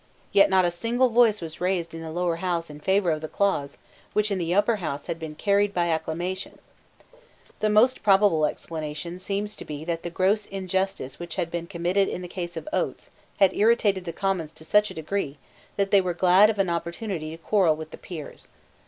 Yet not a single voice was raised in the Lower House in favour of the clause which in the Upper House had been carried by acclamation, The most probable explanation seems to be that the gross injustice which had been committed in the case of Oates had irritated the Commons to such a degree that they were glad of an opportunity to quarrel with the Peers.